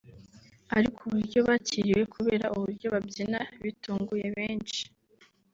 ariko uburyo bakiriwe kubera uburyo babyina bitunguye benshi